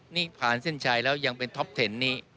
นี่ผ่านเส้นชัยแล้วยังเป็นท็อปเทนนี้